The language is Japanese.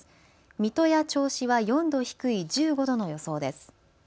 水戸や銚子は４度低い１５度の予想です。